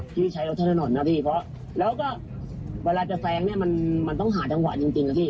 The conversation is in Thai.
พี่ใช้รถถนนนะพี่แล้วก็เวลาจะแซงเนี่ยมันต้องหาจังหวัดจริงอ่ะพี่